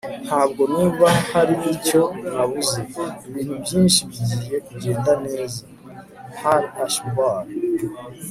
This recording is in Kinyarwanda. ntabwo numva hari icyo nabuze. ibintu byinshi bigiye kugenda neza. - hal ashby